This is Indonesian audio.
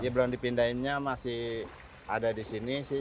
ya belum dipindahinnya masih ada di sini sih